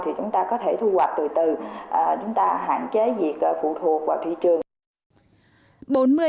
thì chúng ta có thể thu hoạch từ từ chúng ta hạn chế việc phụ thuộc vào thị trường